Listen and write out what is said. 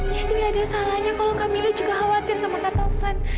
jadi nggak ada salahnya kalau kak mila juga khawatir sama kak taufan